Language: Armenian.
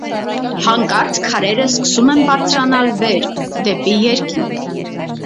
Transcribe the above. Հանկարծ քարերը սկսում են բարձրանալ վեր՝ դեպի երկինք։